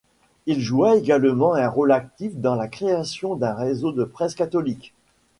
Il joua également un rôle actif dans la création d'un réseau de presse catholique.